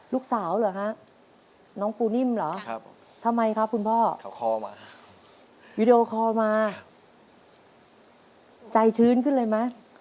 ลูกสาวเหรอฮะน้องปูนิ่มเหรอทำไมครับคุณพ่อเขาคอมาวีดีโอคอลมาใจชื้นขึ้นเลยไหม